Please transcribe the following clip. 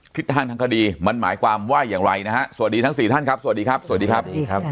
คิดทางทางคดีมันหมายความไหว้อย่างไรนะฮะสวัสดีทั้งสี่ท่านครับสวัสดีครับสวัสดีครับ